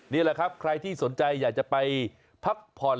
นี่แหละครับใครที่สนใจอยากจะไปพักผ่อน